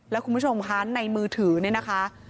แล้วคุณผู้ชมคะในมือถือเนี่ยนะคะ